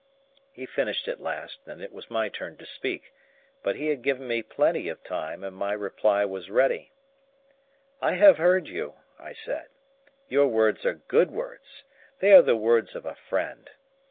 He finished at last, and it was my turn to speak, but he had given me plenty of time, and my reply was ready. "I have heard you," I said. "Your words are good words. They are the words of a friend.